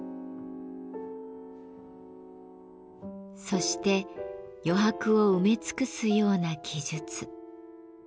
そして余白を埋め尽くすような記述。